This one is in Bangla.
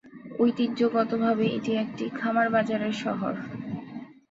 ঐতিহ্যগতভাবে এটি একটি খামার বাজারের শহর।